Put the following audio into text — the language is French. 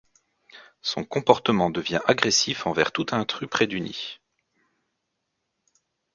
Son comportement devient agressif envers tout intrus près du nid.